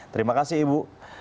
terima kasih ibu